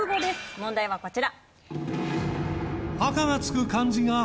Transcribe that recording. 問題はこちら。